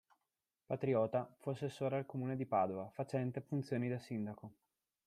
Patriota, fu assessore al Comune di Padova facente funzioni da sindaco.